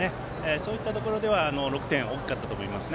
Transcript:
そういったところでは６点は大きかったと思います。